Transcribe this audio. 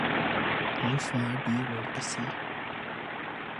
How far do you want to see?